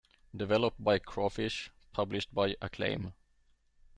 Developed by Crawfish, published by Acclaim.